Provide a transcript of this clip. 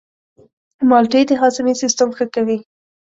مالټې د هاضمې سیستم ښه کوي.